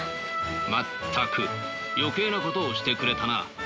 全く余計なことをしてくれたな。